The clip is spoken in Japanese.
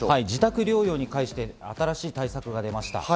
自宅療養に関して新たな対策が出ました。